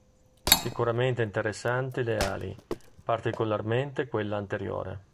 Sicuramente interessanti le ali, particolarmente quella anteriore.